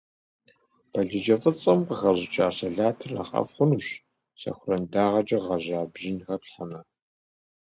Балыджэ фӀыцӀэм къыхэщӀыкӀа салатыр нэхъ ӀэфӀ хъунущ, сэхуран дагъэкӀэ гъэжьа бжьын хэплъхьэмэ.